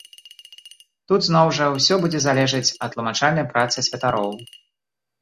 Тут, зноў жа, усё будзе залежыць ад тлумачальнай працы святароў.